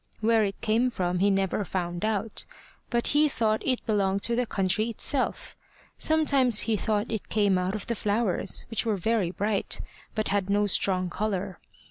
Where it came from he never found out; but he thought it belonged to the country itself. Sometimes he thought it came out of the flowers, which were very bright, but had no strong colour.